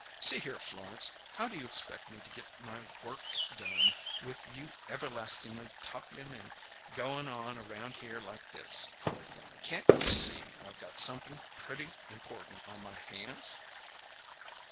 "See here, Florence, how do you expect me to get my work done, with you everlastin'ly talkin' and goin' on around here like this? Can't you see I've got somep'n pretty important on my hands?"